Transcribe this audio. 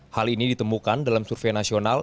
hal ini ditemukan dalam survei nasional